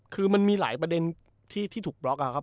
คือมันมีหลายประเด็นที่ถูกบล็อกครับ